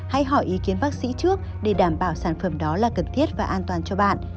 hãy hỏi ý kiến bác sĩ trước để đảm bảo sản phẩm đó là cần thiết và an toàn cho bạn